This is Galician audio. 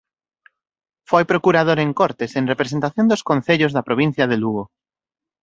Foi procurador en Cortes en representación dos concellos da provincia de Lugo.